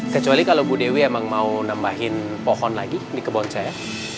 kecuali kalau bu dewi emang mau nambahin pohon lagi di kebun saya